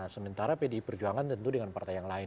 sementara pdi perjuangan tentu dengan partai yang lain